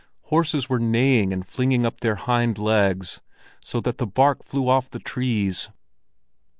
Horses were neighing and flinging up their hind legs, so that the bark flew off the trees.